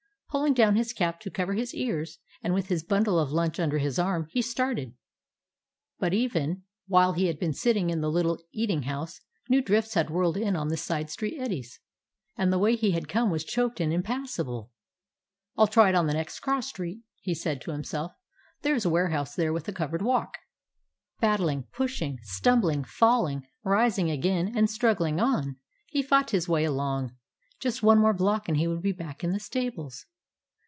Pulling down his cap to cover his ears, and with his bundle of lunch under his arm, he started. But even 155 DOG HEROES OF MANY LANDS while he had been sitting in the little eating house, new drifts had whirled in on the side street eddies, and the way he had come was choked and impassable. "I 'll try it on the next cross street" he said to himself. "There is a warehouse there with a covered walk." Battling, pushing, stumbling, falling, rising again and struggling on, he fought his way along. Just one block more, and he would be back in the stables.